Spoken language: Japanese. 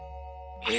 え